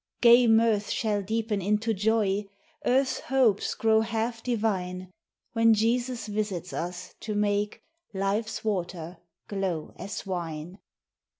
Gay mirth shall deepen into joy, Earth's hopes grow half divine, When Jesus visits us, to make Life's water glow as wine.